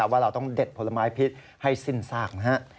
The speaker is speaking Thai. ว่าเราต้องเด็ดผลไม้พิษให้สิ้นซาก